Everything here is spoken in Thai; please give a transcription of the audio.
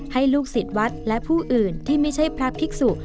ให้ลูกศิษย์วัดและผู้อื่นที่ไม่ใช่พระภิกษุ